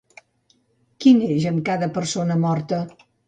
Qui neix amb cada persona morta?